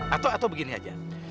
atau atau begini aja